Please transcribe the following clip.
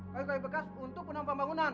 koi koi bekas untuk penampang bangunan